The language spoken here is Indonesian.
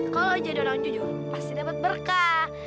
kalau jadi orang jujur pasti dapat berkah